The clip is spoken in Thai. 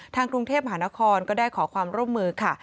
ทางกรุงเทพมหานครก็ได้ขอความร่วมมือค่ะ